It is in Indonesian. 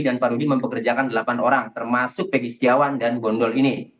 dan pak rudi mempekerjakan delapan orang termasuk pegi setiawan dan bondol ini